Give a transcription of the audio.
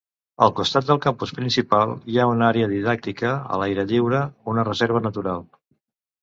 Al costat del campus principal hi ha una àrea didàctica a l'aire lliure, una reserva natural.